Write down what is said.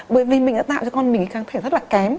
bởi vì mình đã tạo cho con mình kháng thể rất là kém